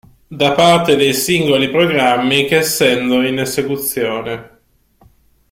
Da parte dei singoli programmi che essendo in esecuzione.